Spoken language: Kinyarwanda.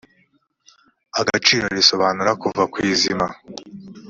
agaciro risobanura kuva ku izima